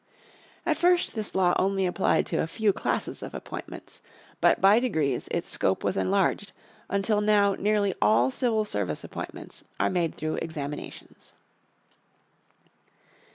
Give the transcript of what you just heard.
At first this law only applied to a few classes of appointments. But by degrees its scope was enlarged until now nearly all civil service appointments are made through examinations.